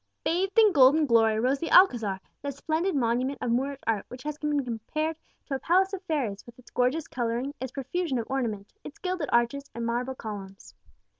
Bathed in golden glory rose the Alcazar, that splendid monument of Moorish art which has been compared to a palace of fairies, with its gorgeous colouring, its profusion of ornament, its gilded arches and marble columns.